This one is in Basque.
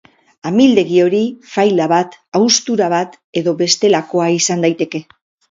Amildegi hori faila bat, haustura bat edo bestelakoa izan daiteke.